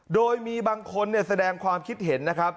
โดยมีบางคนแสดงความคิดเห็นนะครับ